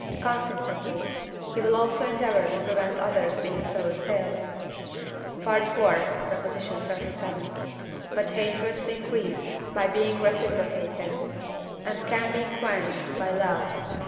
consequently, he will also endeavour to prevent others being so assailed (IV. xxxvii.). But hatred is increased by being reciprocated, and can be quenched by love (III.